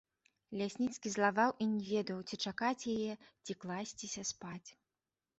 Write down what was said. Лясніцкі злаваў і не ведаў, ці чакаць яе, ці класціся спаць.